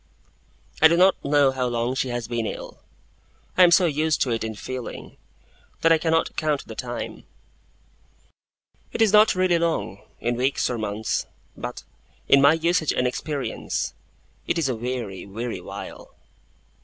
I do not know how long she has been ill. I am so used to it in feeling, that I cannot count the time. It is not really long, in weeks or months; but, in my usage and experience, it is a weary, weary while.